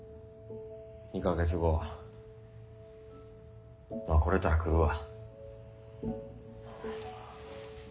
２か月後まあ来れたら来るわ。